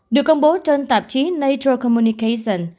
được công bố trên tạp chí nature communication